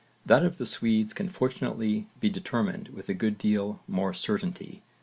That of the Swedes can fortunately be determined with a good deal more certainty.